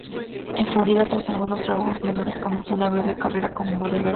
En Florida, tras algunos trabajos menores, comenzó una breve carrera como modelo erótica.